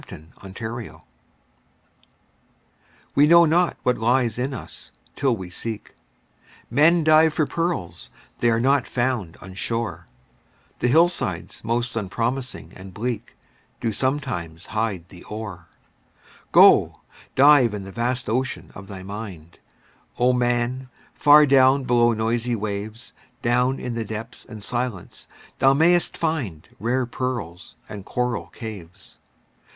HIDDEN GEMS We know not what lies in us, till we seek; Men dive for pearls—they are not found on shore, The hillsides most unpromising and bleak Do sometimes hide the ore. Go, dive in the vast ocean of thy mind, O man! far down below the noisy waves, Down in the depths and silence thou mayst find Rare pearls and coral caves.